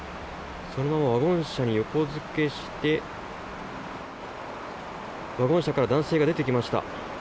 そのワゴン車に横付けしてワゴン車から男性が出てきました。